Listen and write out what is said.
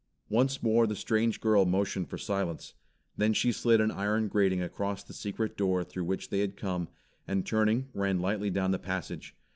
Once more the strange girl motioned for silence. Then she slid an iron grating across the secret door through which they had come, and turning ran lightly down the passage.